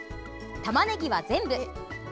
たまねぎは全部。